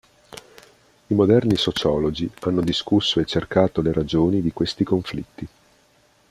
I moderni sociologi hanno discusso e cercato le ragioni di questi conflitti.